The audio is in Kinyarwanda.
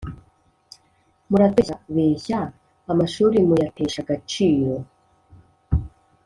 muratubeshyabeshya amashuli muyatesha agaciro